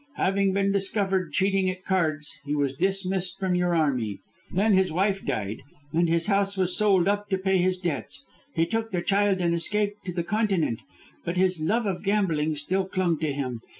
Having been discovered cheating at cards he was dismissed from your army. Then his wife died, and his house was sold up to pay his debts. He took the child and escaped to the Continent. But his love of gambling still clung to him.